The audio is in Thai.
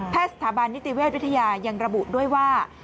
แพทย์สถาบันนิติเวทย์วิทยายังระบุด้วยว่า